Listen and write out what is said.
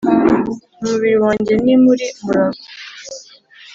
Umubiri wanjye ni muri Murago